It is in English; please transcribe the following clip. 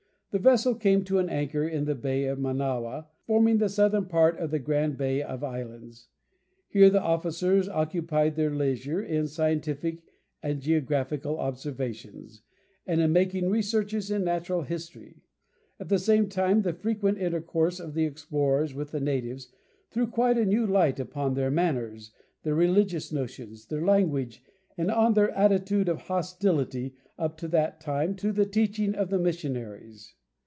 The vessel came to an anchor in the Bay of Manawa, forming the southern part of the grand Bay of Islands. Here the officers occupied their leisure in scientific and geographical observations, and in making researches in natural history. At the same time, the frequent intercourse of the explorers with the natives threw quite a new light upon their manners, their religious notions, their language, and on their attitude of hostility up to that time to the teaching of the missionaries.